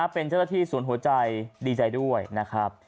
เป็นเจ้าหน้าที่สวนหัวใจดีใจด้วยนะครับ